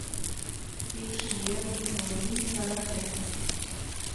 Пекшиевым Зорин таратен.